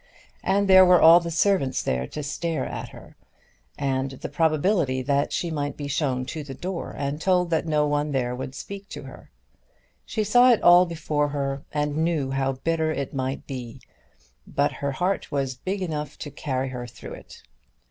And there were all the servants there to stare at her, and the probability that she might be shown to the door and told that no one there would speak to her. She saw it all before her, and knew how bitter it might be; but her heart was big enough to carry her through it.